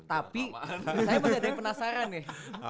tapi saya masih ada yang penasaran deh